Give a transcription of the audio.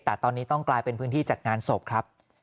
แต่ตอนนี้ต้องกลายเป็นพื้นที่จัดงานศพครับ